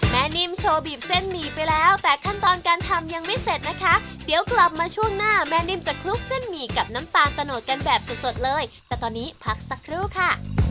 นิ่มโชว์บีบเส้นหมี่ไปแล้วแต่ขั้นตอนการทำยังไม่เสร็จนะคะเดี๋ยวกลับมาช่วงหน้าแม่นิ่มจะคลุกเส้นหมี่กับน้ำตาลตะโนดกันแบบสดเลยแต่ตอนนี้พักสักครู่ค่ะ